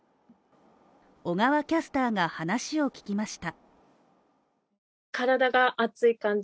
小川キャスターが話を聞きました。